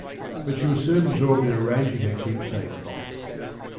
But she was soon absorbed in arranging her keepsake box.